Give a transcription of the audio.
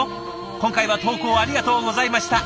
今回は投稿ありがとうございました。